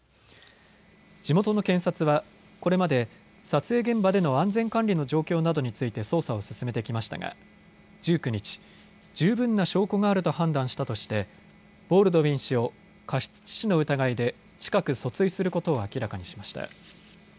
地元の検察はこれまで撮影現場での安全管理の状況などについて捜査を進めてきましたが１９日、十分な証拠があると判断したとしてボールドウィン氏を過失致死の疑いで近く訴追することを明らかにしました。